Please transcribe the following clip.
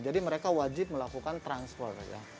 jadi mereka wajib melakukan transport